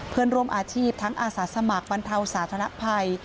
เพื่อนร่วมอาชีพทั้งอาสาสมัครบรรเทาสาธารณภัย